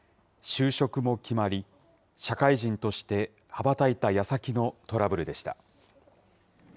就職も決まり、社会人として羽ばたいたやさきのトラブルでした。